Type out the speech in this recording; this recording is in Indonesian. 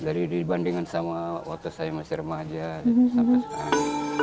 dari dibandingkan sama waktu saya masih remaja sampai sekarang